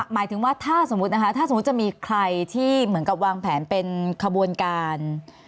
หมายถึงว่าถ้าสมมุตินะคะถ้าสมมุติจะมีใครที่เหมือนกับวางแผนเป็นขบวนการ